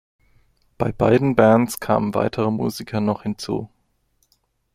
Bei beiden Bands kamen weitere Musiker noch hinzu.